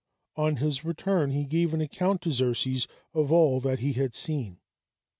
On his return he gave an account to Xerxes of all that he had seen.